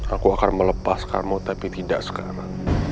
aku akan melepaskanmu tapi tidak sekarang